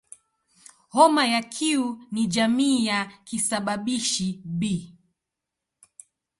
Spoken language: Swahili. Homa ya Q ni jamii ya kisababishi "B".